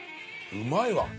うまいわ。